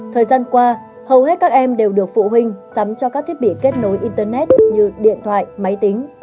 thời gian qua hầu hết các em đều được phụ huynh sắm cho các thiết bị kết nối internet như điện thoại máy tính